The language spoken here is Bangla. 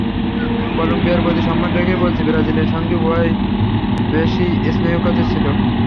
কলম্বিয়ার প্রতি সম্মান রেখেই বলছি, ব্রাজিলের সঙ্গে ওরাই বেশি স্নায়ুকাতর ছিল।